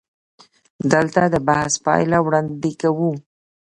دلته د بحث پایله وړاندې کوو.